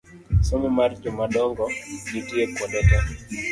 Somo mar jomadongo nitie kuonde te